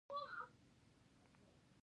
نجلۍ صداقت خوښوي.